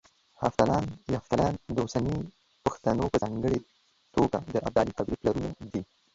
هفتلان، يفتالان د اوسني پښتنو په ځانګړه توګه د ابدال قبيله پلرونه دي